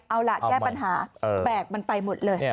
เอาล่ะแก้ปัญหาแบกมันไปหมดเลย